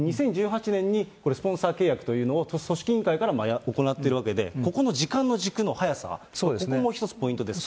２０１８年にこれ、スポンサー契約というのを組織委員会から行っているわけで、ここの時間の軸の早さ、ここも一つポイントですか。